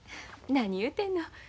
何言うてんの。